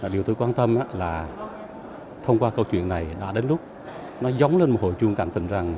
điều tôi quan tâm là thông qua câu chuyện này đã đến lúc nó giống lên một hội chung cạnh tình rằng